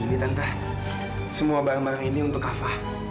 ini tante semua barang barang ini untuk kava